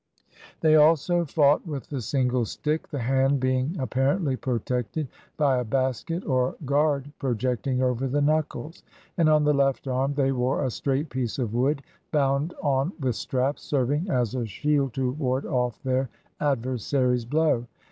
They also fought with the single stick, the hand being apparently protected by a basket, or guard, projecting over the knuckles; and on the left arm they wore a straight piece of wood, bound on with straps, serving as a shield to ward off their adversary's blow.